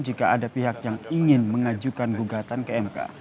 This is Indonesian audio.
jika ada pihak yang ingin mengajukan gugatan ke mk